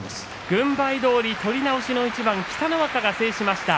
軍配どおり取り直しの一番北の若が制しました。